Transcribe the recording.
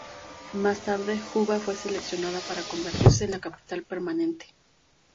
Más Tarde, Juba fue seleccionada para convertirse en la capital permanente.